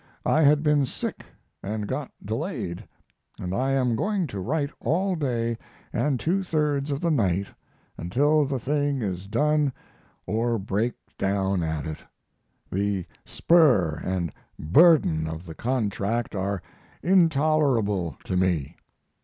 I had been sick and got delayed. I am going to write all day and two thirds of the night until the thing is done or break down at it. The spur and burden of the contract are intolerable to me.